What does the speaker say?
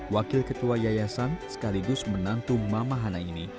wakil ketua yayasan sekaligus menantu mama hana ini